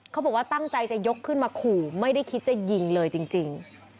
เขาบอกว่าตั้งใจจะยกขึ้นมาขู่ไม่ได้คิดจะยิงเลยจริง